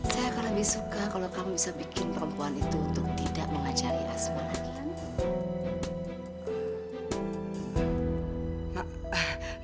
saya akan lebih suka kalau kamu bisa bikin perempuan itu untuk tidak mengajari asma lagi kan